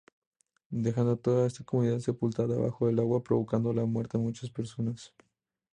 Dejando toda esta comunidad sepultada bajo el agua, provocando la muerte a muchas personas.